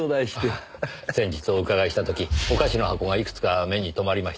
先日お伺いした時お菓子の箱がいくつか目に留まりました。